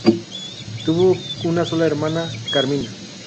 Tuvo una sola hermana: Carmina.